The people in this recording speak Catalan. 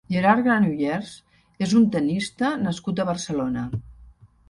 Gerard Granollers és un tennista nascut a Barcelona.